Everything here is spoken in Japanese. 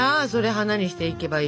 花にしていけばいい。